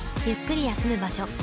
ゆっくり休む場所